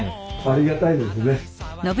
ありがたいですね。